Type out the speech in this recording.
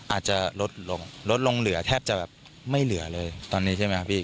อาจจะลดลงลดลงเหลือแทบจะแบบไม่เหลือเลยตอนนี้ใช่ไหมครับพี่